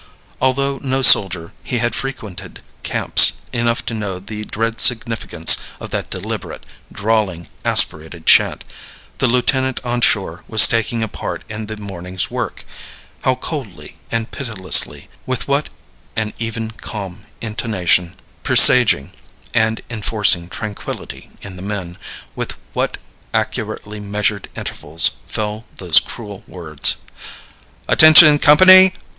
Although no soldier, he had frequented camps enough to know the dread significance of that deliberate, drawling, aspirated chant; the lieutenant on shore was taking a part in the morning's work. How coldly and pitilessly with what an even, calm intonation, presaging and enforcing tranquillity in the men with what accurately measured intervals fell those cruel words: "Attention, company!